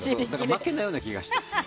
負けなような気がして。